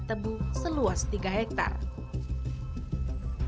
tebu seluas tiga hektare tebu kedelai ini adalah salah satu inovasi dari tanaman tumpang sari